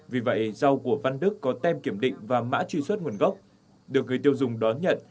vì vậy rau của văn đức có tem kiểm định và mã truy xuất nguồn gốc được người tiêu dùng đón nhận